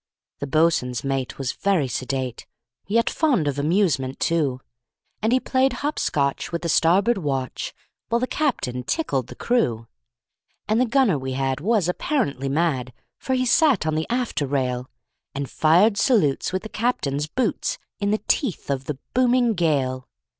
The boatswain's mate was very sedate, Yet fond of amusement, too; And he played hop scotch with the starboard watch, While the captain tickled the crew. And the gunner we had was apparently mad, For he sat on the after rail, And fired salutes with the captain's boots, In the teeth of the booming gale.